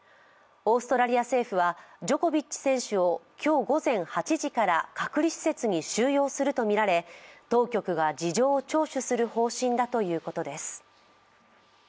オーストラリア政府はジョコビッチ選手を今日午前８時から隔離施設に収容するとみられ当局が事情を聴取する方針だということです。